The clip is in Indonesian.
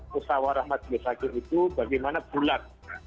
musawarah majelis hakim itu bagaimana bulat